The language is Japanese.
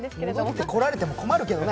戻ってこられても困るけどね